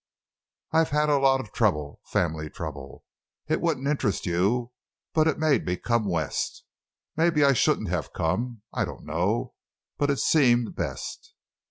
I've had a lot of trouble—family trouble. It wouldn't interest you. But it made me come West. Maybe I shouldn't have come. I don't know; but it seemed best.